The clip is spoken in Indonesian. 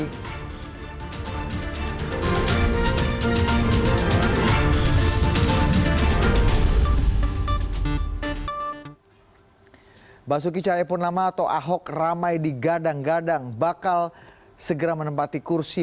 hai basuki caya purnama atau ahok ramai di gadang gadang bakal segera menempati kursi